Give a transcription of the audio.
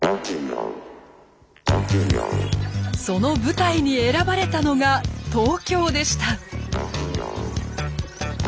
その舞台に選ばれたのが東京でした。